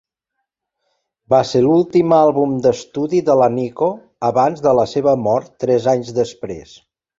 Va ser l'últim àlbum d'estudi de la Nico abans de la seva mort tres anys després.